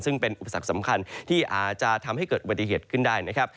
ซึ่งเป็นอุปสรรคสำคัญที่อาจจะทำให้เกิดอุบัติเหตุขึ้นได้นะครับ